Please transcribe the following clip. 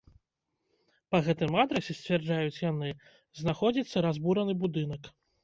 Па гэтым адрасе, сцвярджаюць яны, знаходзіцца разбураны будынак.